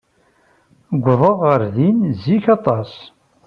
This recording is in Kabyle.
Wwḍeɣ ɣer din zik aṭas.